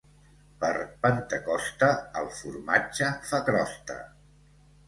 Per Pentecosta el formatge fa crosta.